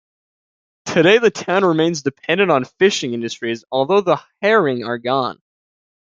Today the town remains dependent on fishing industries although the herring are gone.